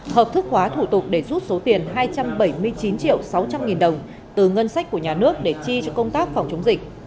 hợp thức hóa thủ tục để rút số tiền hai trăm bảy mươi chín triệu sáu trăm linh nghìn đồng từ ngân sách của nhà nước để chi cho công tác phòng chống dịch